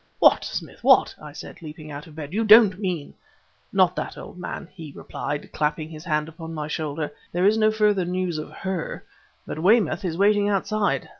"What, Smith, what!" I said, leaping out of bed; "you don't mean " "Not that, old man," he replied, clapping his hand upon my shoulder; "there is no further news of her, but Weymouth is waiting outside.